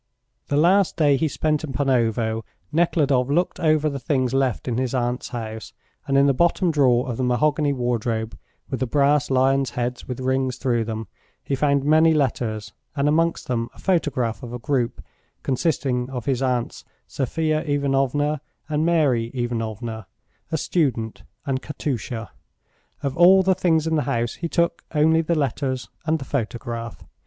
The last day he spent in Panovo, Nekhludoff looked over the things left in his aunts' house, and in the bottom drawer of the mahogany wardrobe, with the brass lions' heads with rings through them, he found many letters, and amongst them a photograph of a group, consisting of his aunts, Sophia Ivanovna and Mary Ivanovna, a student, and Katusha. Of all the things in the house he took only the letters and the photograph.